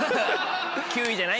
９位じゃない？